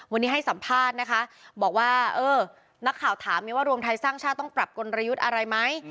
วันนี้ให้สัมภาษณ์นะคะบอกว่าเออนักข่าวถามไงว่ารวมไทยสร้างชาติต้องปรับกลยุทธ์อะไรไหม